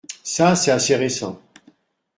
Ça c’est assez récent.